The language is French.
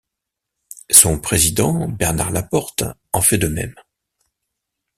Son président Bernard Laporte en fait de même.